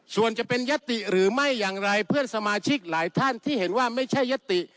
ส่วนจะเป็นยติหรือไม่อย่างไรเพื่อนสมาชิกหลายท่านที่เห็นว่าไม่ใช่ยติ